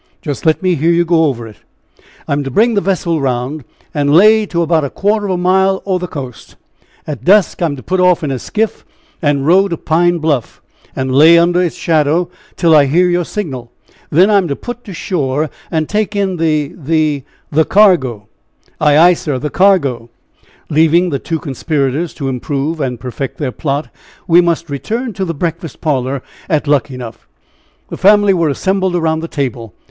"Just let me hear you go over it." "I'm to bring the vessel round, and lay to about a quarter of a mile o' the coast. At dusk I'm to put off in a skiff and row to Pine Bluff, and lay under its shadow till I hear your signal. Then I'm to put to shore and take in the the " "The cargo." "Ay, ay, sir, the cargo." Leaving the two conspirators to improve and perfect their plot, we must return to the breakfast parlor at Luckenough. The family were assembled around the table.